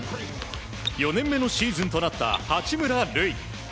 ４年目のシーズンとなった八村塁。